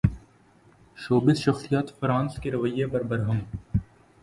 showbiz شخصیات France کے رویے پر برہم